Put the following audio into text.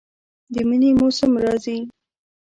د منی موسم راځي